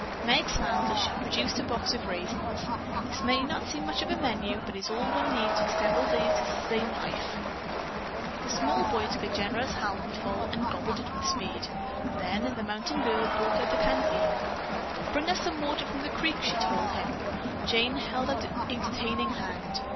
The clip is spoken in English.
Meg smiled as she produced a box of raisins. "This may not seem much of a menu, but it is all one needs for several days to sustain life." The small boy took a generous handful and gobbled it with speed. Then the mountain girl brought out a canteen. "Bring us some water from the creek," she told him. Jane held out a detaining hand.